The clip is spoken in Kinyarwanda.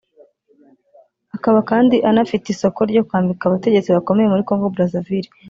akaba kandi anafite isoko ryo kwambika abategetsi bakomeye muri Congo Brazzaville